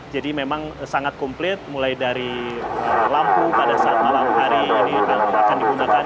jadi memang sangat komplit mulai dari lampu pada saat malam hari ini akan digunakan